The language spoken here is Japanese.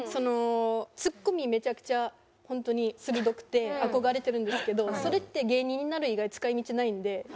ツッコミめちゃくちゃ本当に鋭くて憧れてるんですけどそれって芸人になる以外使い道ないんで。